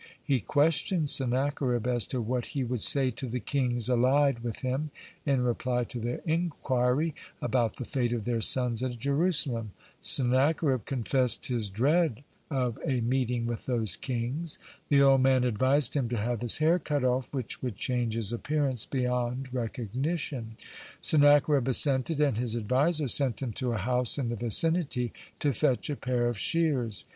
He questioned Sennacherib as to what he would say to the kings allied with him, in reply to their inquiry about the fate of their sons at Jerusalem. Sennacherib confessed his dread of a meeting with those kings. The old man advised him to have his hair cut off, which would change his appearance beyond recognition. Sennacherib assented, and his advisor sent him to a house in the vicinity to fetch a pair of shears.